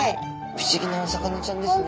不思議なお魚ちゃんですね。